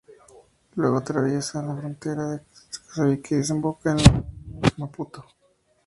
Luego, atraviesa la frontera de Mozambique y desemboca en la bahía de Maputo.